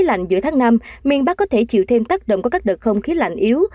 khí lạnh giữa tháng năm miền bắc có thể chịu thêm tác động của các đợt không khí lạnh yếu